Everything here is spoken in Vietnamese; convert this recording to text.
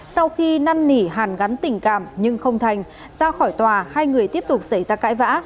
sau khi năn nỉ hàn gắn tình cảm nhưng không thành ra khỏi tòa hai người tiếp tục xảy ra cãi vã